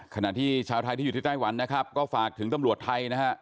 ขณะที่ชาวไทยที่อยู่ที่ไต้หวันนะครับก็ฝากถึงตำรวจไทยนะฮะ